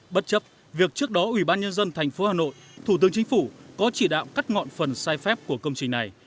bất chấp việc trước đó ủy ban nhân dân tp hà nội thủ tướng chính phủ có chỉ đạo cắt ngọn phần sai phép của công trình này